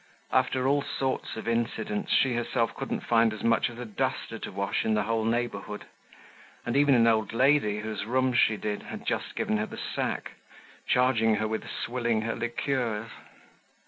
After all sorts of incidents, she herself couldn't find as much as a duster to wash in the whole neighborhood; and even an old lady, whose rooms she did, had just given her the sack, charging her with swilling her liqueurs.